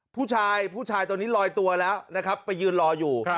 ผู้ชายผู้ชายตัวนี้ลอยตัวแล้วนะครับไปยืนรออยู่